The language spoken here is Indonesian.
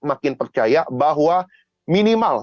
makin percaya bahwa minimal